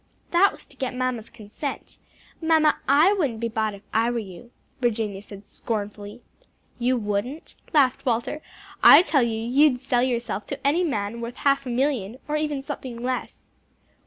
"That was to get mamma's consent. Mamma, I wouldn't be bought if I were you," Virginia said scornfully. "You wouldn't?" laughed Walter. "I tell you you'd sell yourself to day to any man worth half a million, or even something less."